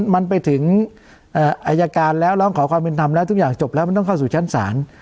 มันไปถึงอายการแล้วร้องขอความเป็นธรรมแล้วทุกอย่างจบแล้วมันต้องเข้าสู่ชั้นศาล